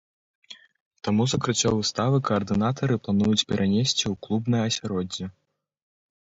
Таму закрыццё выставы каардынатары плануюць перанесці ў клубнае асяроддзе.